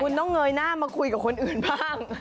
คุณต้องเงยหน้ามาคุยกับคนอื่นบ้าง